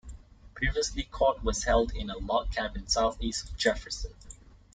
Previously court was held in a log cabin southeast of Jefferson.